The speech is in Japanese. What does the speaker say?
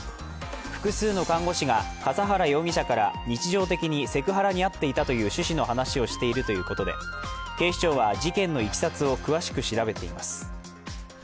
複数の看護師が笠原容疑者から日常的にセクハラに遭っていたという趣旨の話をしているということで警視庁は事件のいきさつを詳しく調べています。